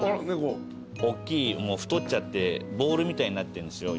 もう太っちゃってボールみたいになってるんですよ。